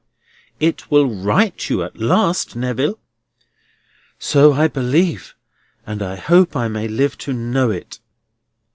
"It will right you at last, Neville." "So I believe, and I hope I may live to know it."